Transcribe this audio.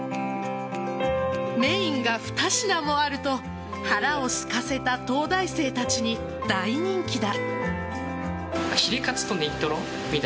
メインが２品もあると腹をすかせた東大生たちに大人気だ。